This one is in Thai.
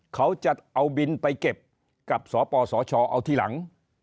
เขาจะเอาบินไปเก็บกับสปสชเอาทีหลัง